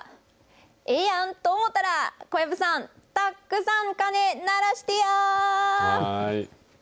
ええやんと思ったら、小籔さん、たっくさん、鐘鳴らしてやー。